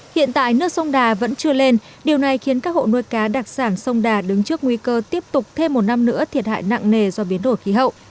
hiện tại nước sông đà vẫn chưa lên điều này khiến các hộ nuôi cá đặc sản sông đà đứng trước nguy cơ tiếp tục thêm một năm nữa thiệt hại nặng nề do biến đổi khí hậu